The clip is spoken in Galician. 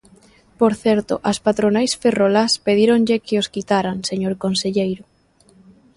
Por certo, as patronais ferrolás pedíronlle que os quitaran, señor conselleiro.